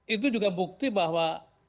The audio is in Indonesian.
itu juga bukti bahwa